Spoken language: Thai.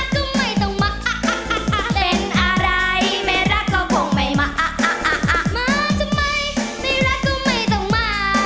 ขอเสียงให้ค่ะ